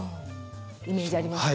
イメージありますか？